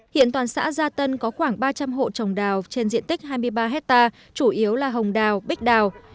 hiện toàn xã gia tân có khoảng ba trăm linh hộ trồng đào trên diện tích hai mươi ba hectare chủ yếu là hồng đào bích đào